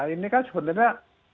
ini kan sebenarnya